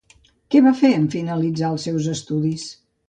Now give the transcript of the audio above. Què va fer en finalitzar els seus estudis?